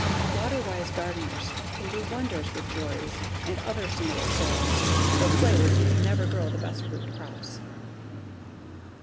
Water wise gardeners can do wonders with Joris and other similar soils, though clays never grow the best root crops.